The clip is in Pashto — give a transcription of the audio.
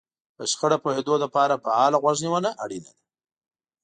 په شخړه پوهېدو لپاره فعاله غوږ نيونه اړينه ده.